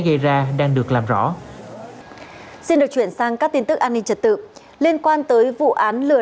gây ra đang được làm rõ xin được chuyển sang các tin tức an ninh trật tự liên quan tới vụ án lừa